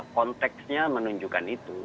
konteksnya menunjukkan itu